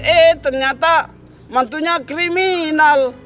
eh ternyata mantunya kriminal